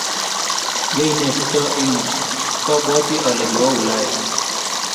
yoei nee Kiptoo eng yu? Kobwoti ale kiwo Ulaya